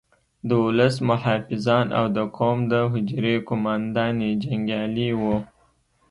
د ولس محافظان او د قوم د حجرې قوماندې جنګیالي وو.